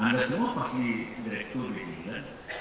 anda semua pasti direktur di sini kan